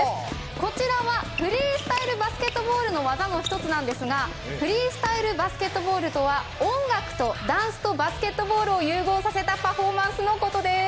こちらはフリースタイルバスケットボールの技の１つなんですが、フリースタイルバスケットボールとは音楽とダンスとバスケットボールを融合させたパフォーマンスのことです。